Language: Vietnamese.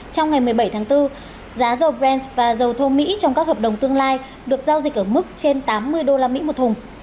trong ngày một mươi bảy tháng bốn giá dầu brance và dầu thô mỹ trong các hợp đồng tương lai được giao dịch ở mức trên tám mươi usd một thùng